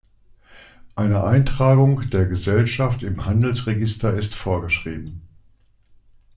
Eine Eintragung der Gesellschaft im Handelsregister ist vorgeschrieben.